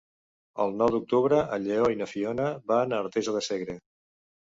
El nou d'octubre en Lleó i na Fiona van a Artesa de Segre.